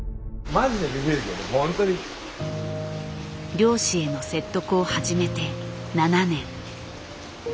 漁師への説得を始めて７年。